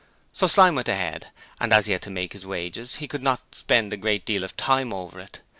So Slyme went ahead, and as he had to make his wages, he could not spend a great deal of time over it.